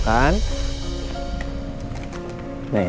kalau di sini isis aku sih ya